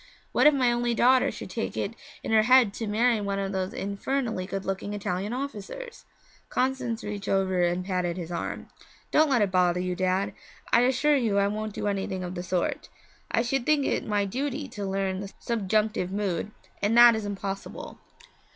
What if my only daughter should take it in her head to marry one of these infernally good looking Italian officers?' Constance reached over and patted his arm. 'Don't let it bother you, Dad; I assure you I won't do anything of the sort. I should think it my duty to learn the subjunctive mood, and that is impossible.'